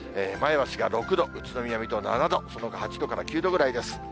前橋が６度、宇都宮、水戸７度、そのほかは８度から９度ぐらいです。